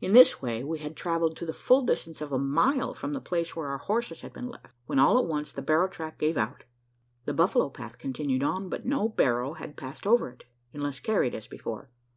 In this way we had travelled, to the full distance of a mile from the place where our horses had been left, when all at once the barrow track gave out. The buffalo path continued on; but no barrow had passed over it, unless carried as before.